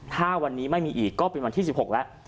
ถ้าวันนี้ไม่มีอีกก็เป็นวันที่๑๖แล้ว